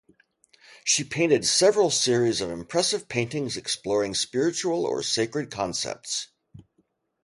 She painted "several series of impressive paintings exploring spiritual or sacred concepts".